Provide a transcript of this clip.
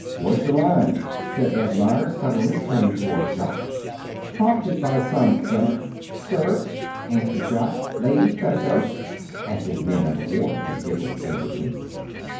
"What's your line?" said Ed Meyers, suddenly turning toward Jock. Prompted by some imp "Skirts," answered Jock. "Ladies' petticoats." ("As if men ever wore 'em!" he giggled inwardly.)